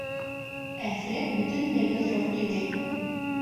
Ә Фред бөтөнләй йоҙроҡ төйнәй.